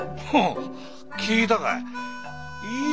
フッ聞いたかい。